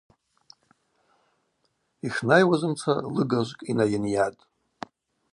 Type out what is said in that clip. Йшнайуазымца лыгажвкӏ йнайынйатӏ.